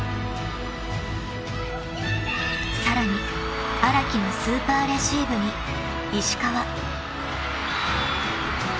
［さらに荒木のスーパーレシーブに石川］